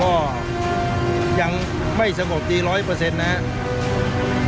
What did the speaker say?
ก็ยังไม่สงบดีร้อยเปอร์เซ็นต์นะครับ